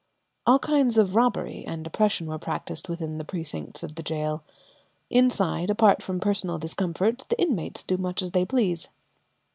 All kinds of robbery and oppression were practised within the precincts of the gaol. Inside, apart from personal discomfort, the inmates do much as they please.